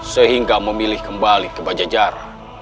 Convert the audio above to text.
sehingga memilih kembali ke bajajar